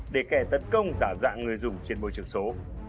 để kẻ tấn công giả dạng người dùng trên môi trường số